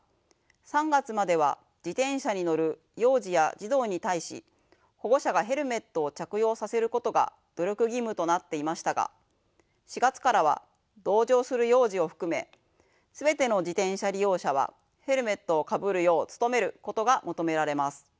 ３月までは自転車に乗る幼児や児童に対し保護者がヘルメットを着用させることが努力義務となっていましたが４月からは同乗する幼児を含め全ての自転車利用者はヘルメットをかぶるよう努めることが求められます。